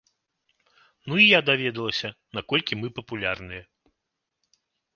Ну і я даведалася, наколькі мы папулярныя.